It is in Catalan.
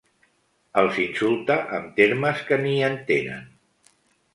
Els insulta amb termes que ni entenen.